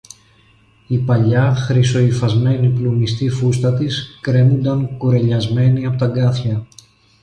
Η παλιά χρυσοϋφασμένη πλουμιστή φούστα της κρέμουνταν κουρελιασμένη από τ' αγκάθια